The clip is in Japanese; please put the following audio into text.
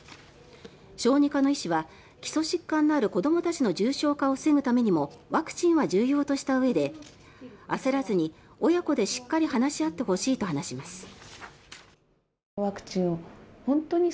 小児科の医師は基礎疾患のある子どもたちの重症化を防ぐためにもワクチンは重要としたうえで焦らずに、親子でしっかり話し合ってほしいと話します。